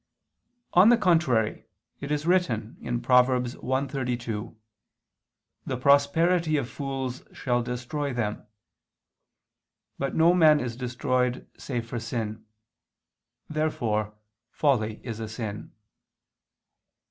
On the contrary, It is written (Prov. 1:32): "The prosperity of fools shall destroy them." But no man is destroyed save for sin. Therefore folly is a sin.